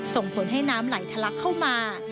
ส่งผลให้น้ำไหลทะลักเข้ามา